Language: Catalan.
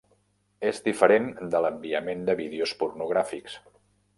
És diferent de l'enviament de vídeos pornogràfics.